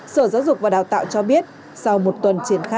sở giáo dục và đào tạo cho biết sau một tuần triển khai